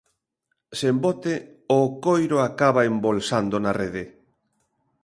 Sen bote, o coiro acaba embolsando na rede.